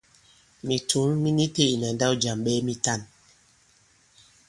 Mìtǔŋ mi ni itē ìna ndǎw jàm ɓɛɛ mitan.